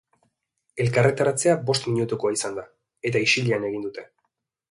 Elkarretaratzea bost minutukoa izan da, eta isilean egin dute.